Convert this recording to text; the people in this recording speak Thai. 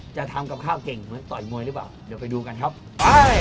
จะทำกับข้าวเก่งเหมือนต่อยมวยหรือเปล่าเดี๋ยวไปดูกันครับไป